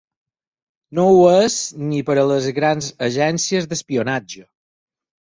No ho és ni per a les grans agències d’espionatge.